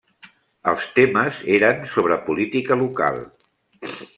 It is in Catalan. Els temes eren sobre política local.